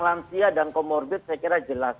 lansia dan comorbid saya kira jelas